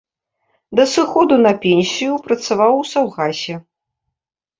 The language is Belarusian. Да сыходу на пенсію працаваў у саўгасе.